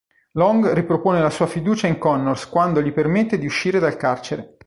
Long ripone la sua fiducia in Connors quando gli permette di uscire dal carcere.